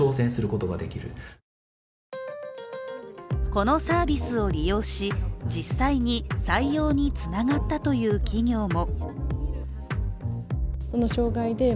このサービスを利用し、実際に採用につながったという企業も。